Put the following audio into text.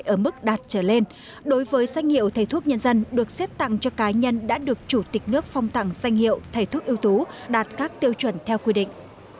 ở mức đạt trở lên đối với danh hiệu thầy thuốc nhân dân được xếp tặng cho cá nhân đã được chủ tịch nước phong tặng danh hiệu thầy thuốc ưu tú đạt các tiêu chuẩn theo quy định